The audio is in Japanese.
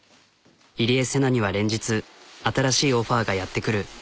入江聖奈には連日新しいオファーがやってくる。